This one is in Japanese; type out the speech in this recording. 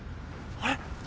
あれ？